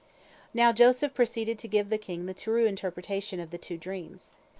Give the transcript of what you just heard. Now Joseph proceeded to give the king the true interpretation of the two dreams.